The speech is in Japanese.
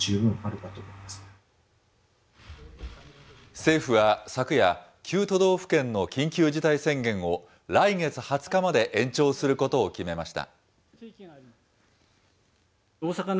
政府は昨夜、９都道府県の緊急事態宣言を、来月２０日まで延長することを決めました。